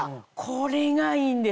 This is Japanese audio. これがいいんですよ。